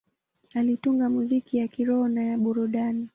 Alitunga muziki ya kiroho na ya burudani.